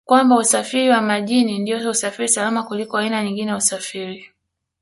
kwamba Usafiri wa Majini ndio usafiri salama kuliko aina nyingine ya usafiri